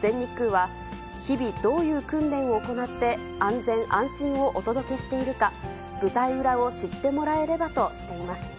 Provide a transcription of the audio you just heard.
全日空は、日々、どういう訓練を行って、安全・安心をお届けしているか、舞台裏を知ってもらえればとしています。